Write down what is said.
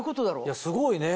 いやすごいね！